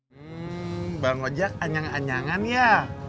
hmm bang ojek anyang anyangan ya